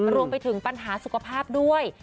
รวมไปถึงปัญหาสุขภาพด้วย